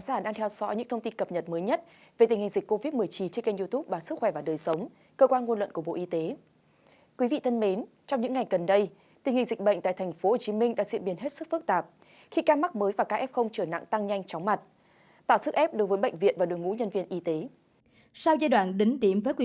các bạn hãy đăng ký kênh để ủng hộ kênh của chúng mình nhé